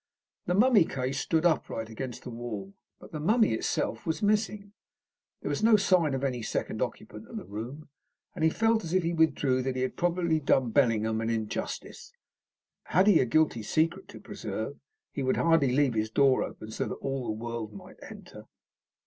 The mummy case stood upright against the wall, but the mummy itself was missing. There was no sign of any second occupant of the room, and he felt as he withdrew that he had probably done Bellingham an injustice. Had he a guilty secret to preserve, he would hardly leave his door open so that all the world might enter.